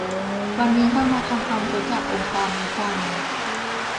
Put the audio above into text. วันนี้เรามาทำความรู้จักองค์กรนี้กัน